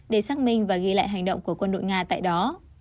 để xác minh và ghi lại hành động của quân đội nga tại đó